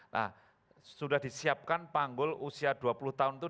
nah sudah disiapkan panggul usia dua puluh tahun itu